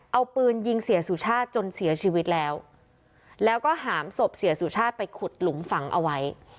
เอาปืนยิงเสียสุชาติจนเสียชีวิตแล้วแล้วก็หามศพเสียสุชาติไปขุดหลุมฝังเอาไว้